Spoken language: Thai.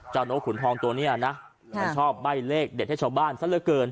เจ้านกขุนทองตัวเนี้ยนะครับมันชอบใบ้เลขเด็ดให้ชาวบ้านสักเลือดเกิน